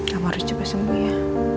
kamu harus juga sembuh ya